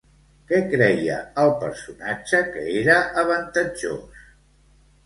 Què creia el personatge que era avantatjós?